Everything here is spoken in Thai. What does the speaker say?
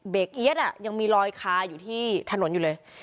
เอี๊ยดยังมีลอยคาอยู่ที่ถนนอยู่เลย